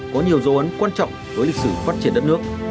quận hoàn kiếm có nhiều dấu ấn quan trọng với lịch sử phát triển đất nước